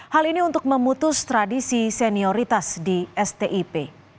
hal ini untuk memutus tradisi senioritas di stip